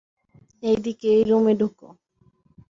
এইদিকে, এই রুমে ঢুক।